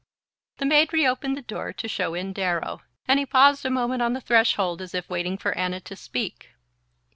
The maid reopened the door to show in Darrow, and he paused a moment on the threshold, as if waiting for Anna to speak.